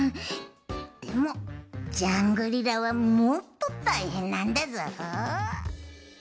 でもジャングリラはもっとたいへんなんだぞ。